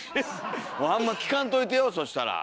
もうあんま聞かんといてよそしたら。